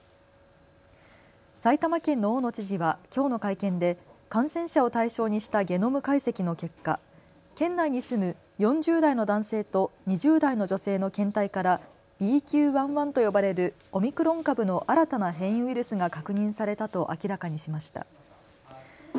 埼玉県の大野知事はきょうの会見で感染者を対象にしたゲノム解析の結果、県内に住む４０代の男性と２０代の女性の検体からＢＱ．１．１と呼ばれるオミクロン株の新たな変異ウイルスが確認されたと明らかにしました。